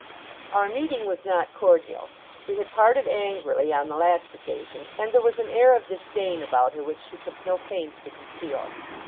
Our meeting was not cordial. We had parted angrily on the last occasion; and there was an air of disdain about her, which she took no pains to conceal.